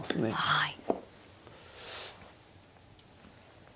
はい。